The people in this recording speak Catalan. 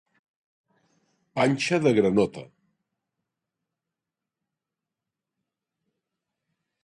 Panxa de granota.